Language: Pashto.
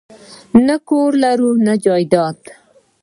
نه کور لرو نه جایداد